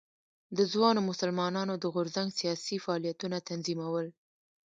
د ځوانو مسلمانانو د غورځنګ سیاسي فعالیتونه تنظیمول.